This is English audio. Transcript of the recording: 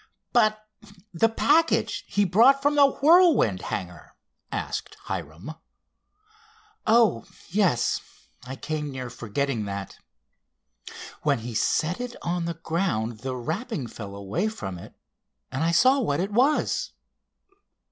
"But the package he brought from the Whirlwind hangar?" asked Hiram. "Oh, yes—I came near forgetting that. When he set it on the ground the wrapping fell away from it and I saw what it was."